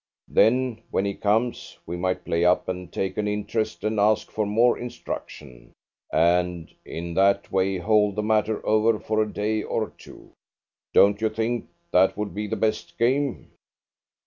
Then, when he comes, we might play up and take an interest and ask for more instruction, and in that way hold the matter over for a day or two. Don't you think that would be the best game?"